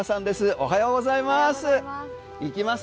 おはようございます。